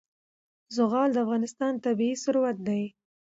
زغال د افغانستان طبعي ثروت دی.